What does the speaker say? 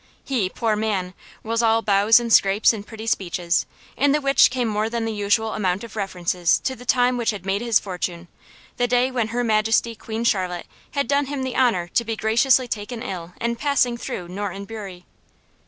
He, poor man, was all bows and scrapes and pretty speeches, in the which came more than the usual amount of references to the time which had made his fortune, the day when Her Majesty Queen Charlotte had done him the honour to be graciously taken ill in passing through Norton Bury.